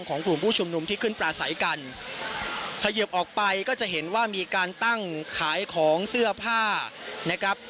กลุ่มผู้ชุมนุมที่ขึ้นปลาใสกันเขยิบออกไปก็จะเห็นว่ามีการตั้งขายของเสื้อผ้านะครับ